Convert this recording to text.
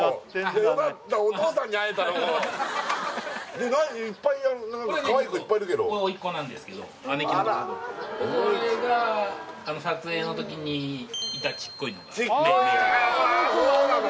でも何いっぱい何かかわいい子いっぱいいるけどこれ姪っ子これ甥っ子なんですけど姉貴のとこのこれがあの撮影の時にいたちっこいのが芽依ちっこいわあそうなの？